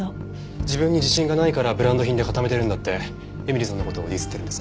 自分に自信がないからブランド品で固めてるんだって絵美里さんの事をディスってるんです。